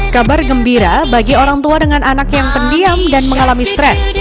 kabar gembira bagi orang tua dengan anak yang pendiam dan mengalami stres